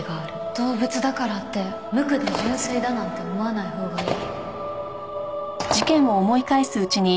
動物だからって無垢で純粋だなんて思わないほうがいい。